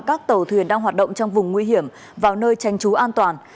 các tàu thuyền đang hoạt động trong vùng nguy hiểm vào nơi tranh trú an toàn